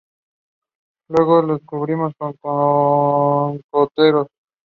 Luego se cubrieron con cocoteros.